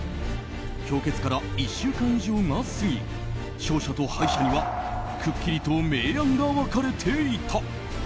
評決から１週間以上が過ぎ勝者と敗者にはくっきりと明暗が分かれていた。